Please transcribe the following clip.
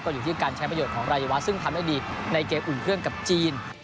อยู่ที่การใช้ประโยชน์ของรายวัฒนซึ่งทำได้ดีในเกมอุ่นเครื่องกับจีน